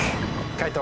解答